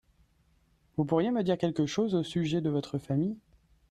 Vous pourriez me dire quelque chose au sujet de votre famille ?